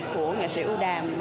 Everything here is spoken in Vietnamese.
của nghệ sĩ u đàm